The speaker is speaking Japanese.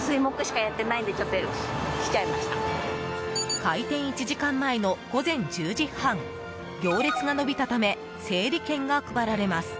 開店１時間前の午前１０時半行列が延びたため整理券が配られます。